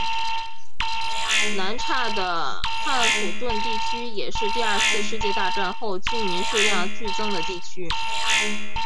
南叉的汉普顿地区也是第二次世界大战后居民数量剧增的地区。